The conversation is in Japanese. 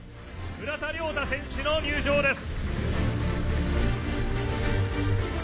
村田諒太選手の入場です。